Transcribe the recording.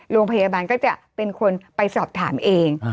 โรงพยาบาลก็จะเป็นคนไปสอบถามเอง